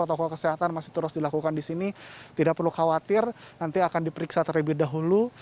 oke terima kasih